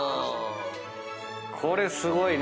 これすごいね。